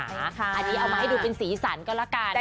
อันนี้เอามาให้ดูเป็นสีสันก็แล้วกัน